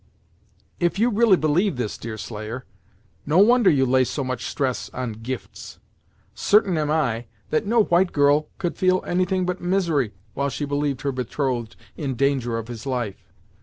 "If you really believe this, Deerslayer, no wonder you lay so much stress on gifts. Certain am I, that no white girl could feel anything but misery while she believed her betrothed in danger of his life!